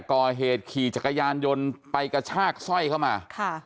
ก่อเหตุขี่จักรยานยนต์ไปกระชากสร้อยเข้ามา